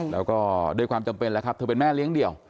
แล้วก็ด้วยความจำเป็นแล้วครับเธอเป็นแม่เลี้ยงเดี่ยว